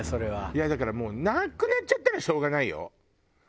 いやだからもうなくなっちゃったらしょうがないよ。